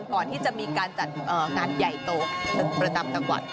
ก่อนที่จะมีการจัดงานใหญ่โตประจำจังหวัด